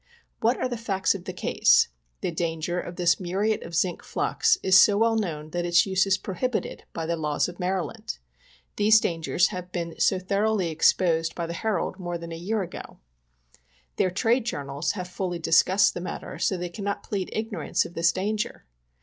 What are the facts of the case ? The danger of this muri ate of zinc flux is so well known that its use is prohibited by ihe laws of Maryland. These dangers have been so thor oughly exposed by the Herald more than a year ago. Their 70 POISONING BY CANNED GOODS. trade journals have fully discussed the matter, so they can not plead ignorance of this danger.